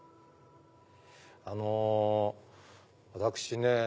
あの私ね